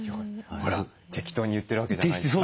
ほら適当に言ってるわけじゃないです。